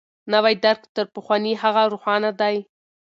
نوی درک تر پخواني هغه روښانه دی.